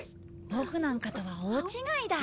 ボクなんかとは大違いだ。